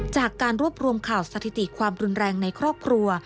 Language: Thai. จากการรวบรวมข่าวสถิติความรุนแรงในครอบครัว